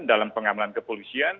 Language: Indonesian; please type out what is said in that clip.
dalam pengamalan kepolisian